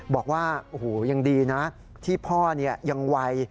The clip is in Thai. บอกว่าโอ้โหยังดีนะที่พ่อยังไว